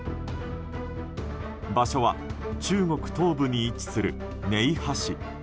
場所は、中国東部に位置する寧波市。